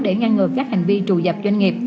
để ngăn ngừa các hành vi trù dập doanh nghiệp